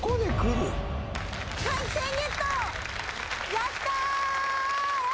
やったー！